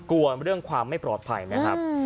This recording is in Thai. กลัวเรื่องความไม่ปลอดภัยนะครับ